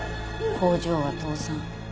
工場は倒産。